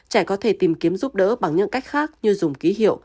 trẻ có thể tìm kiếm giúp đỡ bằng những cách khác như dùng ký hiệu